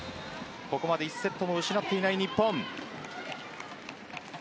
ここまで１セットも失っていない日本。